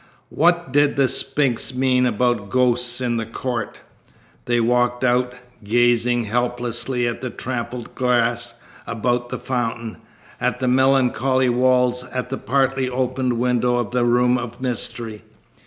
"What did the sphinx mean about ghosts in the court?" They walked out, gazing helplessly at the trampled grass about the fountain, at the melancholy walls, at the partly opened window of the room of mystery.